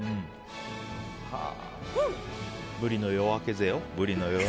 ブリの夜明けぜよ？